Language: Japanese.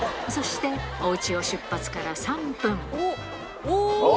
そして、おうちを出発から３分。